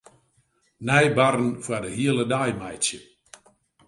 Nij barren foar de hiele dei meitsje.